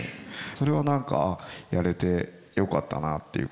それは何かああやれてよかったなっていうか